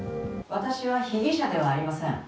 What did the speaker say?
「私は被疑者ではありません」